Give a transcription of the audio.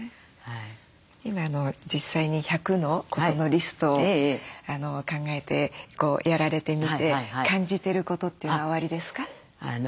今実際に１００のことのリストを考えてやられてみて感じてることというのはおありですか？